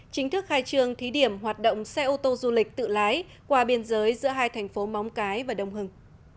chính thức khai trương thí điểm hoạt động xe ô tô du lịch tự lái qua biên giới giữa hai thành phố móng cái và đông hưng